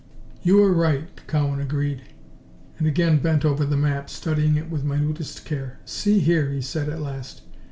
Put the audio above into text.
"You are right," Cowan agreed, and again bent over the map, studying it with minutest care. "See here," he said at last.